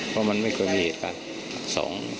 เพราะมันไม่เคยมีเหตุการณ์สอง